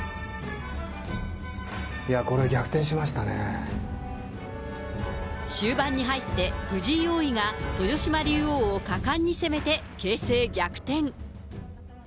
いやー、これ、終盤に入って、藤井王位が豊島竜王を果敢に攻めて形勢逆転。